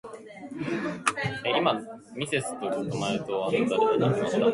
The episodes are "Doctor Mangle's Lab", "The Hidden Lab" and "Master Cain".